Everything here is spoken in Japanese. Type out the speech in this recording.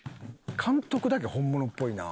監督だけ本物っぽいな。